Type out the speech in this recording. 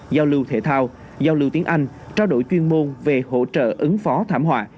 giao lưu thể thao giao lưu tiếng anh trao đổi chuyên môn về hỗ trợ ứng phó thảm họa